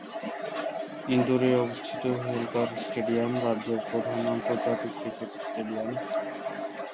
ইন্দোর-এ অবস্থিত হোলকার স্টেডিয়াম রাজ্যের প্রধান আন্তর্জাতিক ক্রিকেট স্টেডিয়াম।